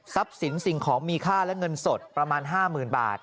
ทรัพย์สินสิ่งของมีค่าและเงินสดประมาณห้าหมื่นบาท